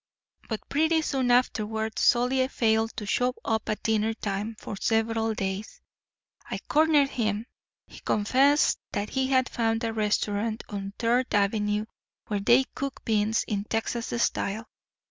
But pretty soon afterward Solly failed to show up at dinner time for several days. I cornered him. He confessed that he had found a restaurant on Third Avenue where they cooked beans in Texas style.